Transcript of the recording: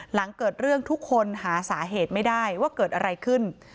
หลังเกิดเรื่องทุกคนหาสาเหตุไม่ได้ว่าเกิดอะไรขึ้น